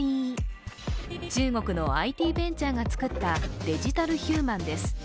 中国のＩＴベンチャーが作ったデジタルヒューマンです。